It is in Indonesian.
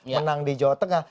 menang di jawa tengah